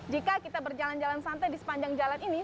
jika kita berjalan jalan santai di sepanjang jalan ini